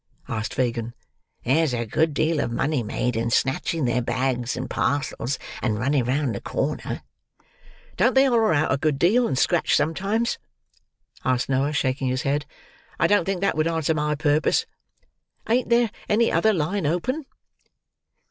asked Fagin. "There's a good deal of money made in snatching their bags and parcels, and running round the corner." "Don't they holler out a good deal, and scratch sometimes?" asked Noah, shaking his head. "I don't think that would answer my purpose. Ain't there any other line open?"